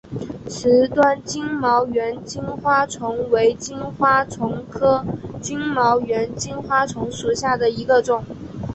池端金毛猿金花虫为金花虫科金毛猿金花虫属下的一个种。